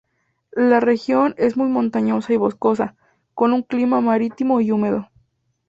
La región es muy montañosa y boscosa, con un clima marítimo y húmedo.